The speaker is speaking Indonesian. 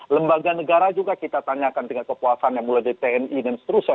lembaga negara juga kita tanyakan tingkat kepuasan yang mulai dari tni dan seterusnya